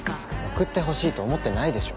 送ってほしいと思ってないでしょ。